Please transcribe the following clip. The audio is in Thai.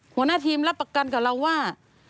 หัวหน้าทีมรับประกันกับเราว่า